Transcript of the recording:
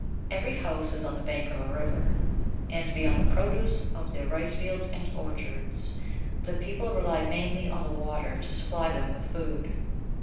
Every house is on the bank of a river, and beyond the produce of their rice fields and orchards the people rely mainly on the water to supply them with food.